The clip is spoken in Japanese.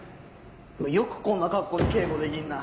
よくこんな格好で警護できんな。